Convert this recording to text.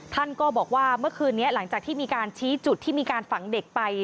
ท่านก็บอกว่าเมื่อคืนนี้หลังจากที่มีการชี้จุดที่มีการฝังเด็กไป